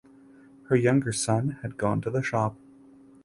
Her younger son had gone to the shop.